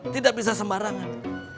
tidak bisa sembarangan